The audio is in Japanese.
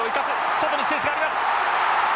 外にスペースがあります。